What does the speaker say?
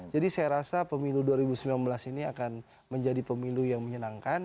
jadi saya rasa pemilu dua ribu sembilan belas ini akan menjadi pemilu yang menyenangkan